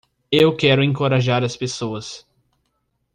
Eu quero encorajar as pessoas